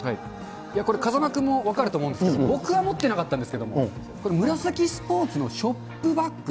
これ、風間君も分かると思うんですけど、僕は持ってなかったんですけど、これ、ムラサキスポーツのショップバッグ。